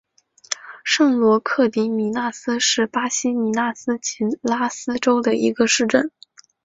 圣罗克迪米纳斯是巴西米纳斯吉拉斯州的一个市镇。